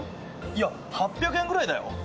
いや８００円ぐらいだよ。